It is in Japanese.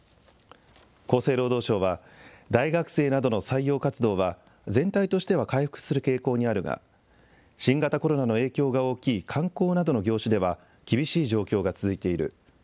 厚生労働省は大学生などの採用活動は全体としては回復する傾向にあるが新型コロナの影響が大きい観光などの業種では厳しい状況が続いている。